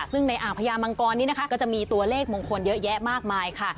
ซึ่งในอ่างพญามังกรนี้นะคะก็จะมีตัวเลขมงคลเยอะแยะมากมายค่ะ